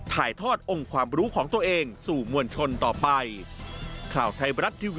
ถ่ายทอดองค์ความรู้ของตัวเองสู่มวลชนต่อไป